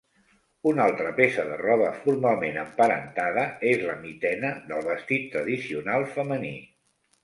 Una altra peça de roba formalment emparentada és la mitena del vestit tradicional femení.